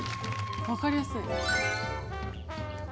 分かりやすい。